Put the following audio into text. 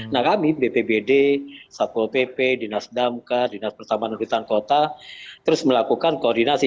nah kami bpbd satpol pp dinas damkar dinas pertamanan dan hutan kota terus melakukan koordinasi